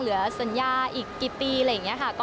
เหลือสัญญาอีกกี่ปีอะไรอย่างนี้ค่ะ